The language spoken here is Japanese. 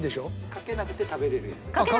かけなくて食べるの？